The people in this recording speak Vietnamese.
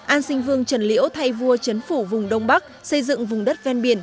an sinh vương trần liễu thay vua chấn phủ vùng đông bắc xây dựng vùng đất ven biển